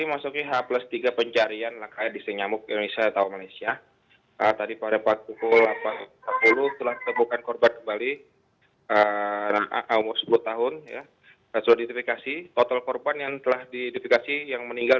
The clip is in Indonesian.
apa masih ada korban yang belum ditemukan pak